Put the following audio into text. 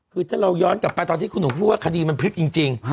คือถ้าเราย้อนกลับไปตอนที่คุณหนูพูดว่าคดีมันพลิกจริง